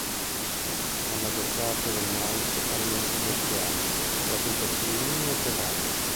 La maggior parte del mais alimenta il bestiame, soprattutto suini e pollame.